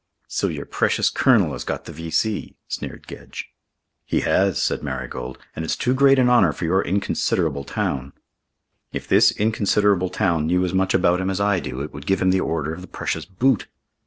"So your precious Colonel has got the V.C.," sneered Gedge. "He has," said Marigold. "And it's too great an honour for your inconsiderable town." "If this inconsiderable town knew as much about him as I do, it would give him the order of the precious boot."